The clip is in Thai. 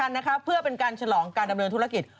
นะคะเพื่อเป็นการฉลองการดำเนินธุรกิจ